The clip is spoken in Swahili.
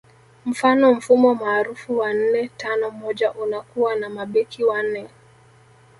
Mfano mfumo maarufu wa nne tano moja unakuwa na mabeki wanne